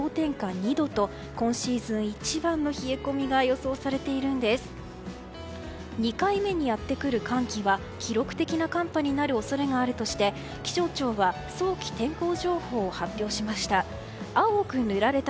２回目にやってくる寒気は記録的な寒波になる恐れがあるとして気象庁は早期天候情報を発表しました。